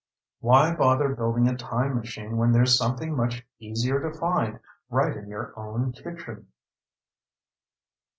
] Why bother building a time machine when there's something much easier to find right in your own kitchen?